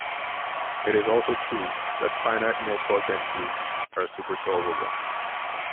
It is also true that finite nilpotent groups are supersolvable.